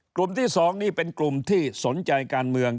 กลุ่มที่๒นี่เป็นกลุ่มที่สนใจการเมือง